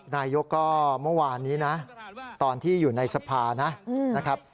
นายกก็เมื่อวานนี้นะตอนที่อยู่ในสภานะครับ